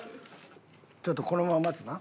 ちょっとこのまま待つな。